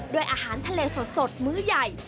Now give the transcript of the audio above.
ด้วยอาหารทะเลสดมื้อใหญ่